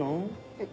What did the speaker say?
えっ。